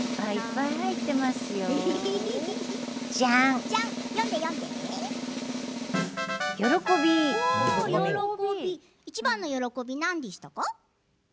いちばんの喜びは何でしたか？